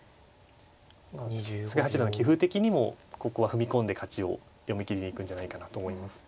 菅井八段の棋風的にもここは踏み込んで勝ちを読み切りに行くんじゃないかなと思います。